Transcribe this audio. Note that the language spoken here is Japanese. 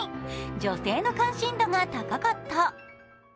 女性の関心度が高かった。